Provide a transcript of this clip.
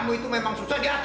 nu itu memang susah diatur